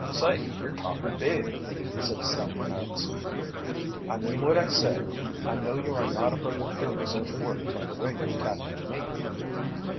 "Say, yer talkin' big," said Stumpy Nuggs. "I mean what I say. I know you are not above doing such work by the way you tackled me."